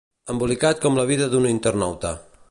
Embolicat com la vida d'un internauta.